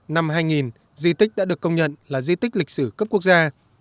năm hai nghìn di tích đã được công nhận là di tích lịch sử cấp quốc gia